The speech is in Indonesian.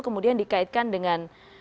kemudian dikaitkan dengan